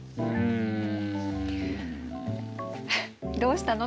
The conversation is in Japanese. うん。